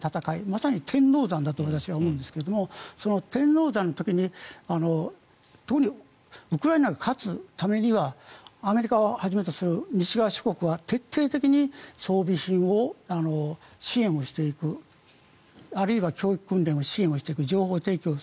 まさに天王山だと私は思うんですが天王山の時にウクライナが勝つためにはアメリカをはじめとする西側諸国は徹底的に装備品を支援していくあるいは教育訓練の支援をしていく情報提供も。